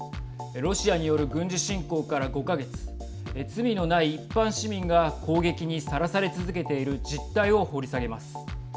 ロシアによる軍事侵攻から５か月罪のない一般市民が攻撃にさらされ続けている実態を掘り下げます。